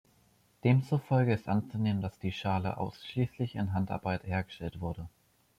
Demzufolge ist anzunehmen, dass die Schale ausschließlich in Handarbeit hergestellt wurde.